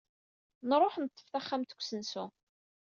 Nruḥ neṭṭef taxxamt deg usensu.